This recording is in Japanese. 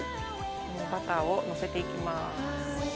このバターをのせていきます。